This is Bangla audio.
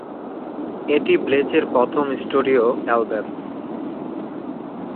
এটি ব্লেচের প্রথম স্টুডিও অ্যালবাম।